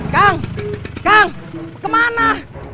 kan kan kemana